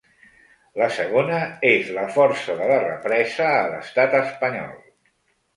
La segona, és la força de la represa a l’estat espanyol.